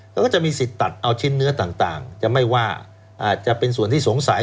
เขาก็จะมีสิทธิ์ตัดเอาชิ้นเนื้อต่างจะไม่ว่าอาจจะเป็นส่วนที่สงสัย